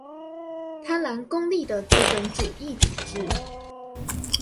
貪婪功利的資本主義體制